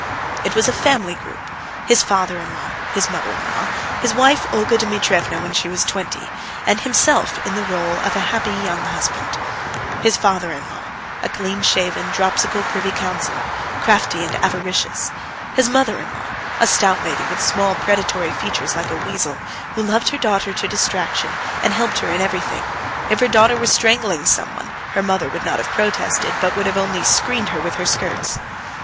It was a family group: his father in law, his mother in law, his wife Olga Dmitrievna when she was twenty, and himself in the rôle of a happy young husband. His father in law, a clean shaven, dropsical privy councillor, crafty and avaricious; his mother in law, a stout lady with small predatory features like a weasel, who loved her daughter to distraction and helped her in everything; if her daughter were strangling some one, the mother would not have protested, but would only have screened her with her skirts.